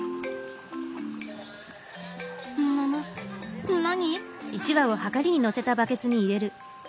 ぬぬ何？